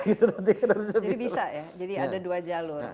jadi bisa ya jadi ada dua jalur